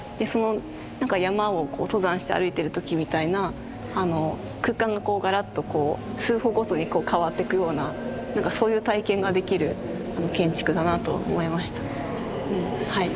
なんか山を登山して歩いている時みたいな空間がこうガラッとこう数歩ごとに変わっていくようなそういう体験ができる建築だなと思いました。